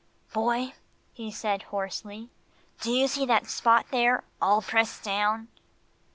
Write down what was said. "Boy," he said hoarsely, "do you see that spot there, all pressed down?"